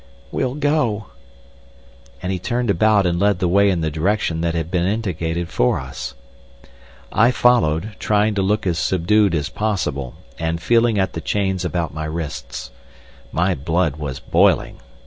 "We'll go." And he turned about and led the way in the direction that had been indicated for us. I followed, trying to look as subdued as possible, and feeling at the chains about my wrists. My blood was boiling.